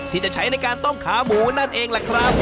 ที่จะใช้ในการต้มขาหมูนั่นเองล่ะครับ